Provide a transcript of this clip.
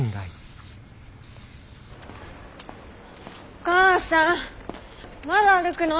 お母さんまだ歩くの？